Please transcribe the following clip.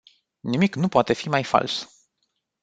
Nimic nu poate fi mai fals.